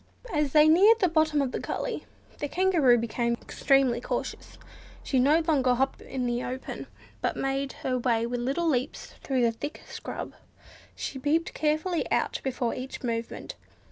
As they neared the bottom of the gully the Kangaroo became extremely cautious. She no longer hopped in the open, but made her way with little leaps through the thick scrub. She peeped out carefully before each movement.